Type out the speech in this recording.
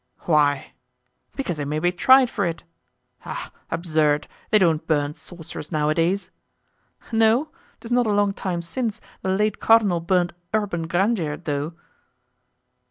"Why?" "Because he may be tried for it." "Ah! absurd! they don't burn sorcerers nowadays." "No? 'Tis not a long time since the late cardinal burnt Urban Grandier, though."